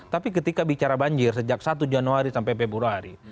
tapi ketika bicara banjir sejak satu januari sampai februari